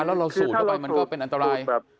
แล้วเราสูดเข้าไปมันก็เป็นอันตราย